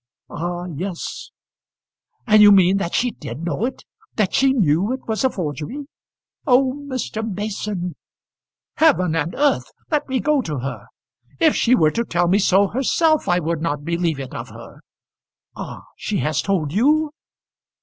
"Ah! yes." "And you mean that she did know it; that she knew it was a forgery?" "Oh! Mr. Mason." "Heaven and earth! Let me go to her. If she were to tell me so herself I would not believe it of her. Ah! she has told you?"